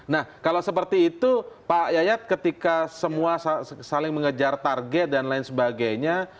nah kalau seperti itu pak yayat ketika semua saling mengejar target dan lain sebagainya